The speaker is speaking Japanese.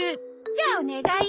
じゃあお願い。